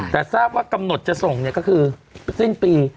แต่ทราบว่ากำหนดจะส่งเนี่ยก็คือสิ้นปี